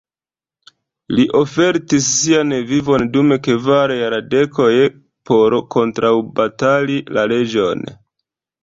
Li ofertis sian vivon dum kvar jardekoj por kontraŭbatali la leĝon.